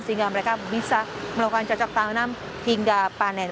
sehingga mereka bisa melakukan cocok tanam hingga panen